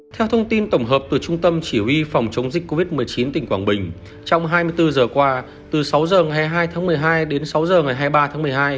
theo thông tin tổng hợp từ trung tâm chỉ huy phòng chống dịch covid một mươi chín tỉnh quảng bình trong hai mươi bốn giờ qua từ sáu h ngày hai mươi hai tháng một mươi hai đến sáu h ngày hai mươi ba tháng một mươi hai